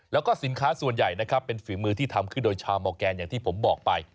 แล้วก็สินค้าส่วนใหญ่นะครับเป็นฝีมือที่ทำขึ้นโดยชาวมอร์แกนอย่างที่ผมบอกไป